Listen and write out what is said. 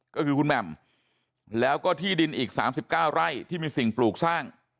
ก็คือคุณแหม่มแล้วก็ที่ดินอีก๓๙ไร่ที่มีสิ่งปลูกสร้าง